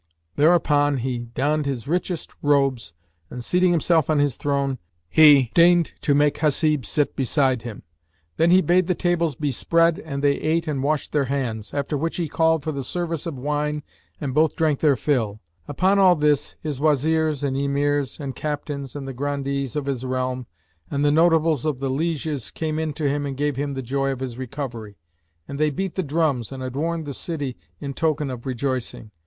Thereupon he donned his richest robes and, seating himself on his throne, deigned make Hasib sit beside him. Then he bade the tables be spread and they ate and washed their hands; after which he called for the service of wine and both drank their fill. Upon this all his Wazirs and Emirs and Captains and the Grandees of his realm and the notables of the lieges came in to him and gave him joy of his recovery; and they beat the drums and adorned the city in token of rejoicing.